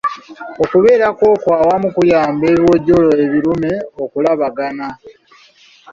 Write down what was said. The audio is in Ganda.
Okubeerako okwo awamu kuyamba ebiwojjolo ebirume okulabagana.